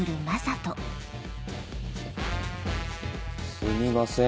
すみません